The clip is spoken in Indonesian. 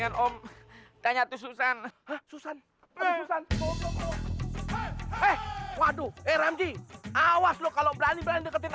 ngomong baik baik juga dong